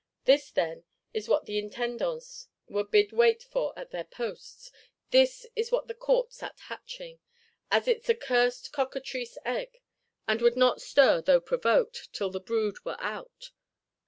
This, then, is what the Intendants were bid wait for at their posts: this is what the Court sat hatching, as its accursed cockatrice egg; and would not stir, though provoked, till the brood were out!